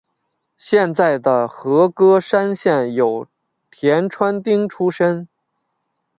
现在的和歌山县有田川町出身。